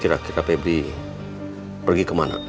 kira kira pebri pergi kemana